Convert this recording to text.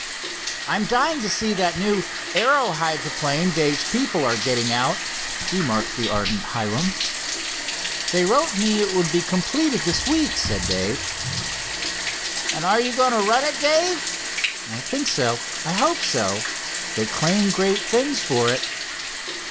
"I'm dying to see that new aero hydroplane Dave's people are getting out," remarked the ardent Hiram. "They wrote me it would be completed this week," said Dave. "And you are going to run it, Dave?" "I think so, I hope so. They claim great things for it."